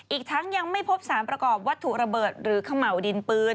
อีกทั้งยังไม่พบสารประกอบวัตถุระเบิดหรือเขม่าวดินปืน